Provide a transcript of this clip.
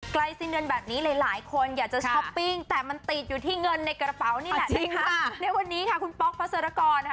ใกล้เสียงเดินแบบนี้หลายหลายคนอยากจะช้อปปิ้งแต่มันตีดอยู่ที่เงินในกระเป๋านี่แหละอ๋อจริงค่ะ